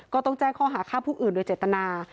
ก็ต้องแจ้งข้อหาฆ่าผู้อื่นโดยเจตนา